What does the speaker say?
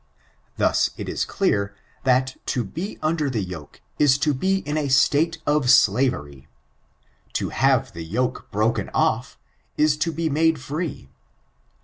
Thus, it is clear, that, to be under ike yoke, is to be in a state of davery. To have the ycke broken 6|^ is to be made free.